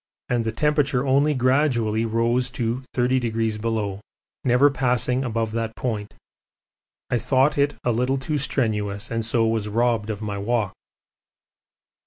and the temperature only gradually rose to 30°, never passing above that point. I thought it a little too strenuous and so was robbed of my walk.